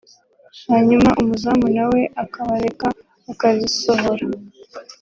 hanyuma umuzamu nawe akabareka bakazisohora